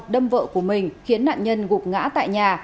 đâm vợ của mình khiến nạn nhân gục ngã tại nhà